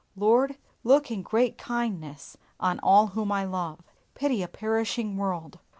Lord, look in great kindness on all whom I love. Pity a perishing world.